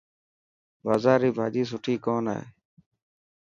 بازار ري ڀاڄي سٺي ڪون هي.